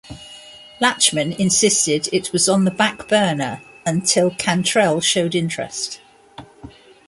Lachman insisted it was on the "backburner" until Cantrell showed interest.